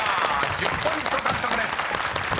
１０ポイント獲得です］